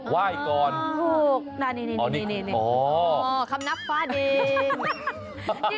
ว่ายก่อนอ๋ออ๋อคำนับฝ่านเอง